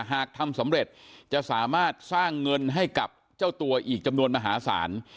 หากทำสำเร็จจะสามารถสร้างเงินให้กับเจ้าตัวอีกจำนวนมหาศาล